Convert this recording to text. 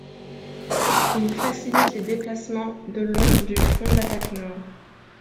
Il facilite les déplacements de long du front d'attaque nord.